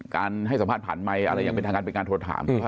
การให้สัมภาษณ์ผ่านไม๊อะไรยังไปทางนั้นไปการโทรธาม